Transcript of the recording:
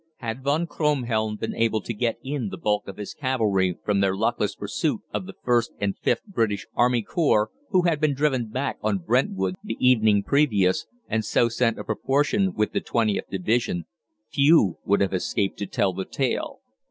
Had Von Kronhelm been able to get in the bulk of his cavalry from their luckless pursuit of the Ist and Vth British Army Corps, who had been driven back on Brentwood the evening previous, and so send a proportion with the 20th Division, few would have escaped to tell the tale.